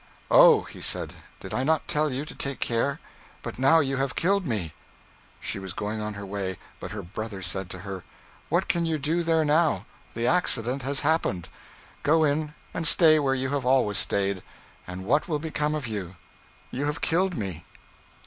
'Oh,' he said, 'did I not tell you to take care. But now you have killed me.' She was going on her way, but her brother said to her, 'What can you do there now. The accident has happened. Go in, and stay where you have always stayed. And what will become of you? You have killed me.'